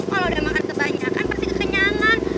kalau udah makan sebanyakan pasti kekenyanan